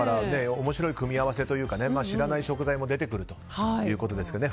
面白い組み合わせというか知らない食材も出てくるということですね。